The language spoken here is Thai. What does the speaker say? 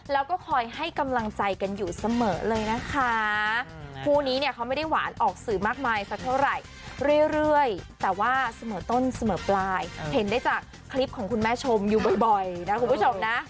แล้วก็คอยให้กำลังใจกันอยู่เสมอเลยนะคะคู่นี้เนี่ยเขาไม่ได้หวานออกสื่อมากมายสักเท่าไหร่เรื่อยแต่ว่าเสมอต้นเสมอปลายเห็นได้จากคลิปของคุณแม่ชมอยู่บ่อยนะคุณผู้ชมนะ